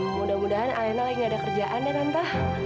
mudah mudahan alena lagi nggak ada kerjaan ya tante